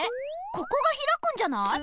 ここがひらくんじゃない？